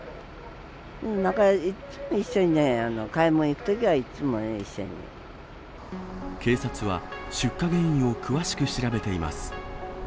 仲よし、一緒にね、買い物行くと警察は、出火原因を詳しく調べています。